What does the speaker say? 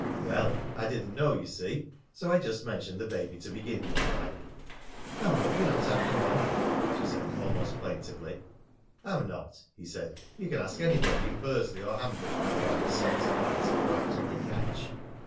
"Well, I didn't know, you see. So I just mentioned the baby to begin with, like!" "I hope you're not after money," she said almost plaintively. "I'm not," he said. "You can ask anybody in Bursley or Hanbridge whether I'm the sort of man to go out on the cadge."